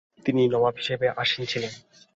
তিনি নবাব হিসেবে আসীন ছিলেন।